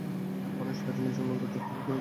মানুষ ইহা শুনিয়াছে এবং অনন্ত যুগ ধরিয়া শুনিতেছে।